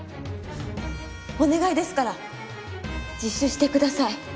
お願いですから自首してください。